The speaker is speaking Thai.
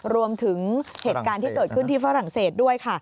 รวมถึงเหตุการณ์ที่เกิดขึ้นที่ฝรั่งเศสด้วยค่ะ